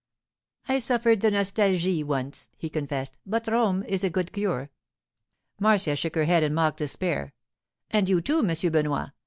'I suffered the nostalgie once,' he confessed, 'but Rome is a good cure.' Marcia shook her head in mock despair. 'And you, too, M. Benoit!